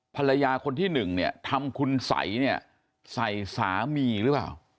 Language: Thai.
ภรรยาคนที่หนึ่งเนี่ยทำคุณสัยเนี่ยใส่สามีหรือเปล่า